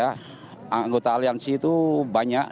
anggota aliansi itu banyak